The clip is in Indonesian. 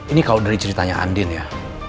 ini kalau dari ceritanya andin ya